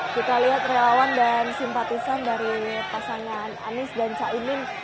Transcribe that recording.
kita lihat rawan dan simpatisan dari pasangan anies dan cak imin